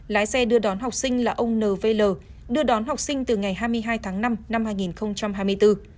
lái xe đưa đón học sinh là ông n v l đưa đón học sinh từ ngày hai mươi hai tháng năm năm hai nghìn hai mươi bốn